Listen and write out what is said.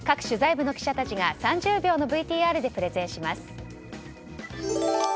各取材部の記者たちが３０秒のＶＴＲでプレゼンします。